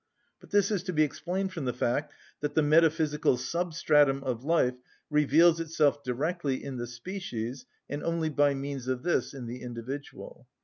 But this is to be explained from the fact that the metaphysical substratum of life reveals itself directly in the species and only by means of this in the individual.